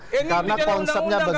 karena konsepnya begini